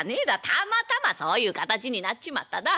たまたまそういう形になっちまっただ。